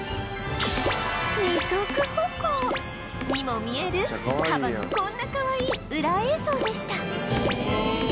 二足歩行にも見えるカバのこんなかわいいウラ映像でした